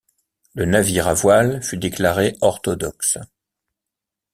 Le navire à voiles fut déclaré orthodoxe.